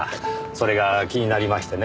それが気になりましてね。